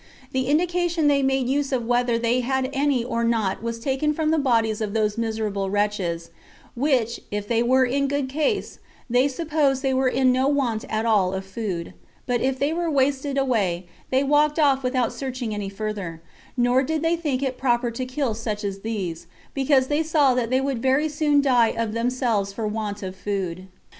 The indication they made use of whether they had any or not was taken from the bodies of these miserable wretches; which, if they were in good case, they supposed they were in no want at all of food; but if they were wasted away, they walked off without searching any further; nor did they think it proper to kill such as these, because they saw they would very soon die of themselves for want of food.